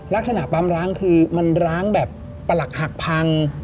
ลักษณะปั๊มร้างคือมันร้างแบบประหลักหักพัง